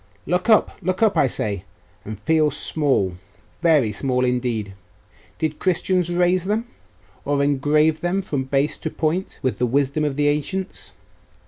'Look up! look up, I say, and feel small very small indeed! Did Christians raise them, or engrave them from base to point with the wisdom of the ancients?